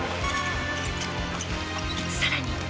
さらに。